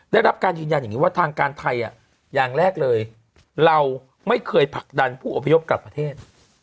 ได้รับการยืนยันอย่างนี้ว่าทางการไทยอย่างแรกเลยเราไม่เคยผลักดันผู้อพยพกลับประเทศ